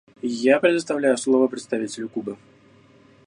Я предоставляю слово представителю Кубы.